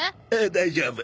大丈夫。